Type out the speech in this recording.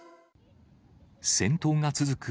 戦闘が続く